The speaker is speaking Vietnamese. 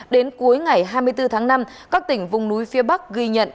đến cuối ngày hai mươi bốn tháng năm các tỉnh vùng núi phía bắc ghi nhận